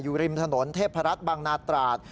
ริมถนนเทพรัฐบางนาตราด